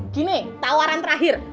gini tawaran terakhir